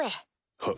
はっ。